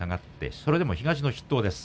それでも東の筆頭です。